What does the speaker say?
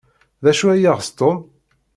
D acu ay yeɣs Tom?